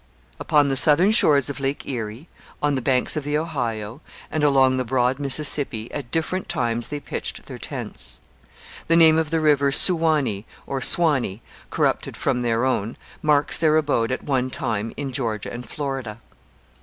Upon the southern shores of Lake Erie, on the banks of the Ohio, and along the broad Mississippi, at different times they pitched their tents. The name of the river Suwanee, or 'Swanee,' corrupted from their own, marks their abode at one time in Georgia and Florida.